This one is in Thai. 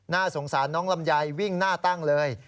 สงสารน้องลำไยวิ่งหน้าตั้งเลย